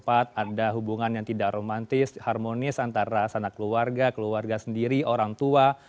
ada hubungan yang tidak romantis harmonis antara sanak keluarga keluarga sendiri orang tua